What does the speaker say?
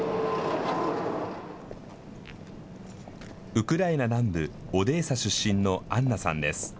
ウクライナ南部オデーサ出身のアンナさんです。